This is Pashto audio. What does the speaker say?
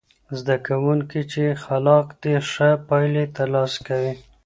زده کوونکي چې خلاق دي، ښه پایلې ترلاسه کوي.